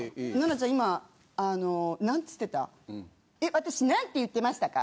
私なんて言ってましたか？